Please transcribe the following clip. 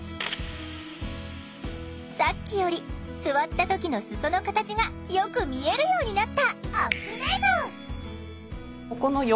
さっきより座った時の裾の形がよく見えるようになった！